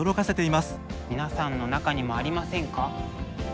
「皆さんの中にもありませんか？」。